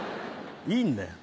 いいんだよ。